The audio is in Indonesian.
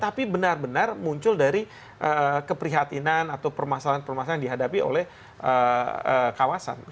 tapi benar benar muncul dari keprihatinan atau permasalahan permasalahan yang dihadapi oleh kawasan